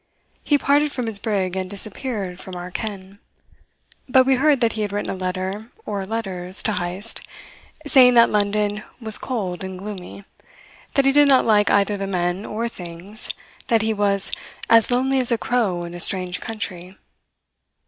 He parted from his brig and disappeared from our ken; but we heard that he had written a letter or letters to Heyst, saying that London was cold and gloomy; that he did not like either the men or things, that he was "as lonely as a crow in a strange country."